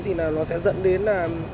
thì nó sẽ dẫn đến là